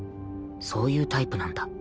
そういうタイプなんだ